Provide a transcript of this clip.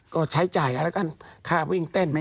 ก็ใช้จ่ายค้าวิ่งเต้น